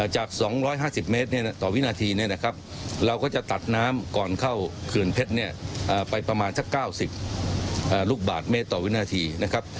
จาก๒๕๐เมตรต่อวินาทีเนี่ยนะครับเราก็จะตัดน้ำก่อนเข้าเขื่อนเพชรเนี่ยไปประมาณสัก๙๐ลูกบาทเมตรต่อวินาทีนะครับ